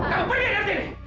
kamu pergi dari sini